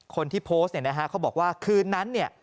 คนที่โพสต์เนี่ยนะฮะเขาบอกว่าคืนนั้นเนี่ย